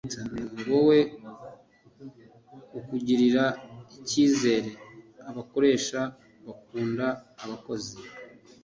Wawe akugirira ikizere abakoresha bakunda abakozi